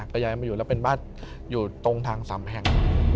ก็ย้ายมาอยู่แล้วเป็นบ้านอยู่ตรงทางสามแห่ง